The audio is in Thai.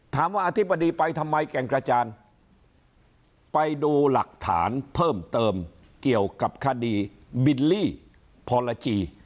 อธิบดีไปทำไมแก่งกระจานไปดูหลักฐานเพิ่มเติมเกี่ยวกับคดีบิลลี่พรจี